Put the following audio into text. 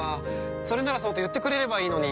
それならそうと言ってくれればいいのに。